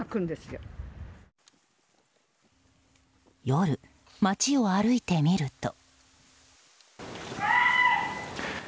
夜、街を歩いてみると。